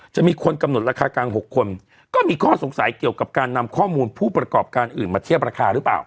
จะมีคนกำหนดราคากลาง๖คนก็มีข้อสงสัยเกี่ยวกับการนำข้อมูลผู้ประกอบการอื่นมาเทียบราคาหรือเปล่า